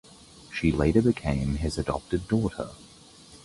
She later became his adopted daughter.